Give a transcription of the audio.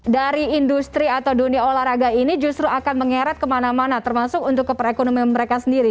dari industri atau dunia olahraga ini justru akan mengeret kemana mana termasuk untuk ke perekonomian mereka sendiri